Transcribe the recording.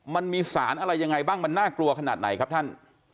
มันมีสารอะไรยังไงบ้างมันน่ากลัวขนาดไหนครับท่าน